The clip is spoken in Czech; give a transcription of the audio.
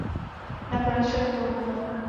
Nakonec však promluvil.